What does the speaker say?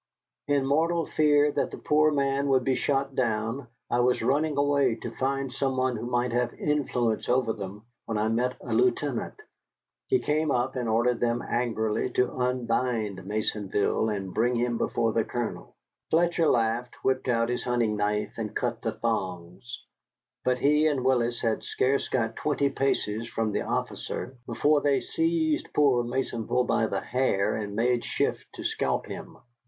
In mortal fear that the poor man would be shot down, I was running away to find some one who might have influence over them when I met a lieutenant. He came up and ordered them angrily to unbind Maisonville and bring him before the Colonel. Fletcher laughed, whipped out his hunting knife, and cut the thongs; but he and Willis had scarce got twenty paces from the officer before they seized poor Maisonville by the hair and made shift to scalp him.